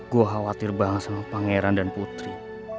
gue khawatir banget sama pangeran dan putri